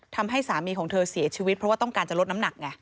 ทำให้สามีของเธอเสียชีวิตเพราะว่าต้องการจะลดน้ำหนักไง